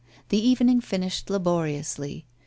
The evening finished laboriously.